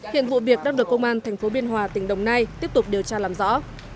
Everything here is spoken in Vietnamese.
hiện vụ việc đang được công an tp biên hòa tỉnh đồng nai tiếp tục điều tra làm rõ